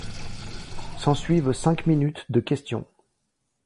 S'en suivent cinq minutes de questions.